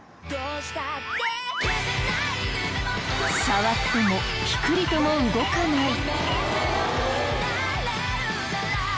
触ってもピクリとも動かない。